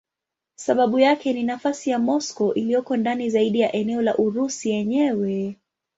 Sababu yake ni nafasi ya Moscow iliyoko ndani zaidi ya eneo la Urusi yenyewe.